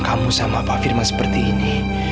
kamu sama pak firman seperti ini